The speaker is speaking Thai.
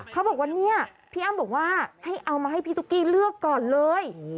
เขาบอกว่าเนี่ยพี่อ้ำบอกว่าให้เอามาให้พี่ตุ๊กกี้เลือกก่อนเลย